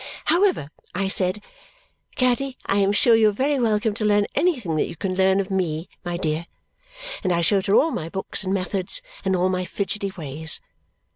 However, I said, "Caddy, I am sure you are very welcome to learn anything that you can learn of ME, my dear," and I showed her all my books and methods and all my fidgety ways.